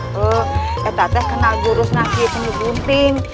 kita teg kenal jurus naki penyubuntin